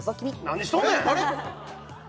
何しとんねん！